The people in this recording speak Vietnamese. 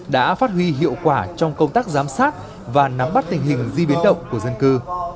đã phát huy hiệu quả trong công tác giám sát và nắm bắt tình hình di biến động của dân cư